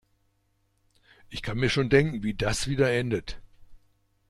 Ich kann mir schon denken, wie das wieder endet.